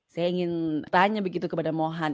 saya ingin tanya begitu kepada mohan